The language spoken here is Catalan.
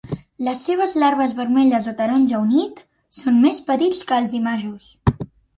Les seves larves, vermelles o taronja unit, són més petits que els imagos.